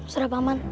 serah pak man